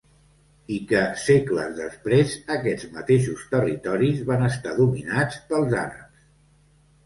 I que, segles després, aquests mateixos territoris van estar dominats pels àrabs.